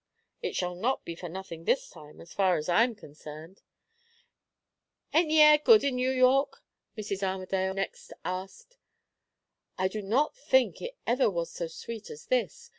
"It shall not be for nothing this time, as far as I am concerned." "Ain't the air good in New York?" Mrs. Armadale next asked. "I do not think it ever was so sweet as this.